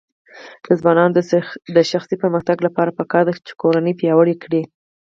د ځوانانو د شخصي پرمختګ لپاره پکار ده چې کورنۍ پیاوړې کړي.